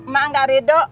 mak gak reda